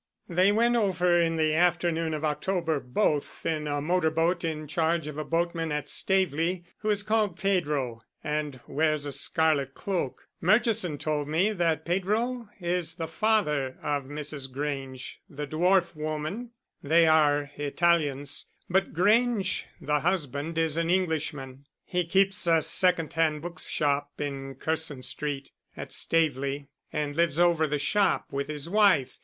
"They went over in the afternoon of October both in a motor boat in charge of a boatman at Staveley, who is called Pedro, and wears a scarlet cloak. Murchison told me that Pedro is the father of Mrs. Grange, the dwarf woman they are Italians. But Grange, the husband, is an Englishman. He keeps a second hand bookshop in Curzon Street, at Staveley, and lives over the shop with his wife.